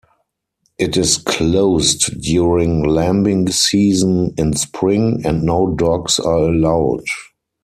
It is closed during lambing season in spring, and no dogs are allowed.